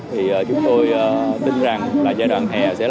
thì chúng tôi tin rằng là giai đoạn hè sẽ là cái mức